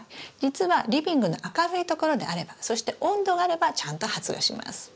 実はリビングの明るいところであればそして温度があればちゃんと発芽します。